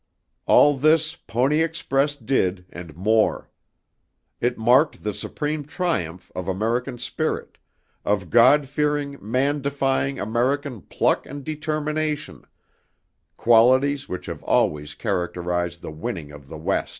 All this Pony Express did and more. It marked the supreme triumph of American spirit, of God fearing, man defying American pluck and determination qualities which have always characterized the winning of the West.